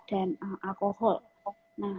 dan alkohol nah